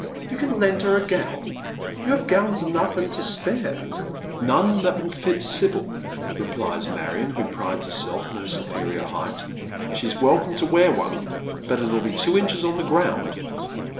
You can lend her a gown. You have gowns enough and to spare." "None that will fit Sibyl," replies Marion, who prides herself on her superior height. " She's welcome to wear one, but it "U be two inches on the ground."